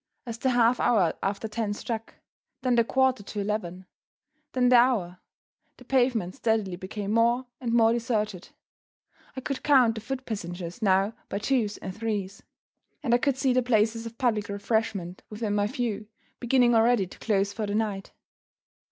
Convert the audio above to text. As the half hour after ten struck then the quarter to eleven then the hour the pavement steadily became more and more deserted. I could count the foot passengers now by twos and threes; and I could see the places of public refreshment within my view beginning already to close for the night.